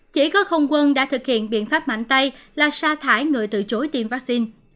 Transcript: chỉ có không quân đã thực hiện biện pháp mạnh tay là sa thải người từ chối tiêm vaccine